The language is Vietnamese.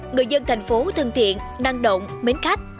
người dân thành phố thân thiện năng động mến khách